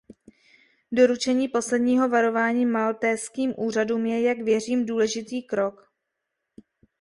Doručení posledního varování maltézským úřadům je, jak věřím, důležitý krok.